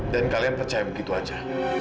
dan kalian percaya begitu saja